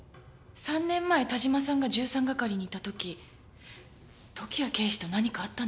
３年前但馬さんが１３係にいた時時矢刑事と何かあったんでしょうか？